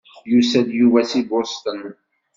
Yusa-d Yuba si Boston.